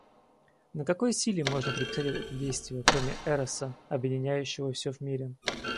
Но какой силе можно приписать это действие, кроме эроса, объединяющего все в мире?